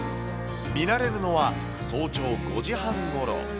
見られるのは早朝５時半ごろ。